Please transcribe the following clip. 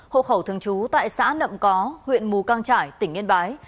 hộ khẩu thường trú tại xã nậm có huyện mù căng trải tỉnh yên bái